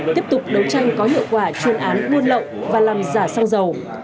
tiếp tục đấu tranh có hiệu quả chuôn án buôn lậu và làm giả sang giàu